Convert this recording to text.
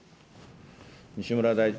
西村大臣。